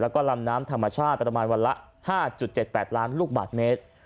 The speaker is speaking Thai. แล้วก็ลำน้ำธรรมชาติประมาณวันละ๕๗๘ล้านลูกบาทเมตร